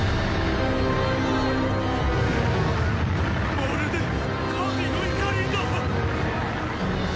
まるで神の怒りだ！